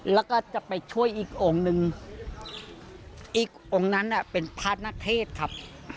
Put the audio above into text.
แล้วก็จะไปช่วยอีกองค์หนึ่งอีกองค์นั้นเป็นพระนักเทศครับ